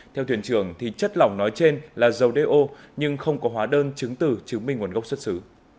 theo thuyền trưởng chất lỏng nói trên là dầu đê ô nhưng không có hóa đơn chứng từ chứng minh nguồn gốc xuất xứ